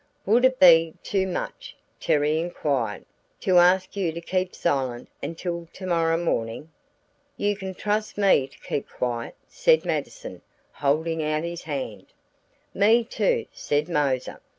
"Would it be too much," Terry inquired, "to ask you to keep silent until tomorrow morning?" "You can trust me to keep quiet," said Mattison, holding out his hand. "Me too," said Moser.